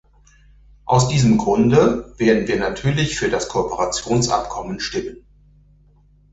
Aus diesem Grunde werden wir natürlich für das Kooperationsabkommen stimmen.